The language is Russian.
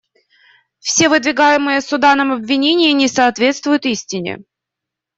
Все выдвигаемые Суданом обвинения не соответствуют истине.